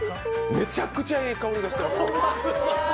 めちゃくちゃ、ええ香りがしてます。